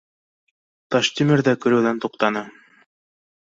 Таштимер ҙә көлөүҙән туҡтаны